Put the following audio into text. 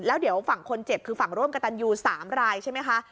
แล้วเดี๋ยวฝั่งคนเจ็บคือฝั่งร่วมกระตันยู๓รายใช่ไหมคะ